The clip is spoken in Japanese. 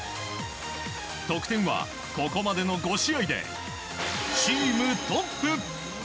得点はここまでの５試合でチームトップ！